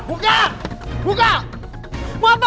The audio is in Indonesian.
ayolah juga maksat ya